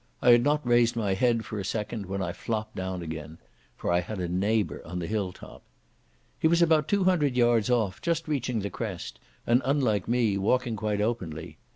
I had not raised my head for a second when I flopped down again. For I had a neighbour on the hill top. He was about two hundred yards off, just reaching the crest, and, unlike me, walking quite openly.